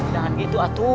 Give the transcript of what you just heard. jangan gitu atu